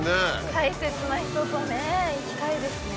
大切な人とね行きたいですね。